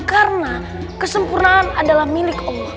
karena kesempurnaan adalah milik allah